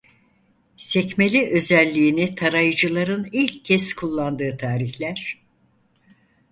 Sekmeli özelliğini tarayıcıların ilk kez kullandığı tarihler.